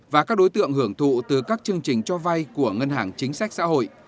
và các đối tượng hưởng thụ từ các chương trình cho vay của ngân hàng chính sách xã hội